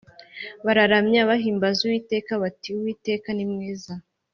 bararamya, bahimbaza uwiteka bati: ‘uwiteka ni mwiza,